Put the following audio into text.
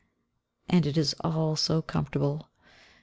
And it is all so comfortable.